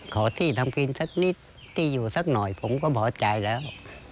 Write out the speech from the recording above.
ขอที่ทำกินสักนิดที่อยู่สักหน่อยผมก็พอใจแล้ว